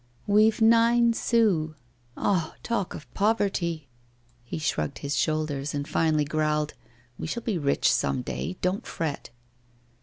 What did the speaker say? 'We've nine sous. Ah! talk of poverty ' He shrugged his shoulders, and finally growled: 'We shall be rich some day; don't fret.